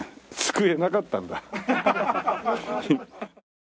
机なかったんだ。